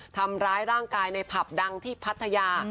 ทำร้ายร่างกายในผับดังที่พัทยา